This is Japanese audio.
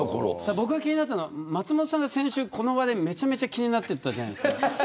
僕が気になったのは松本さんがこの話題、先週めちゃめちゃ気になってたじゃないですか。